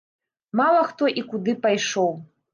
Мала хто і куды пайшоў!